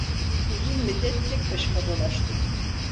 Uzun müddet tek başıma dolaştım.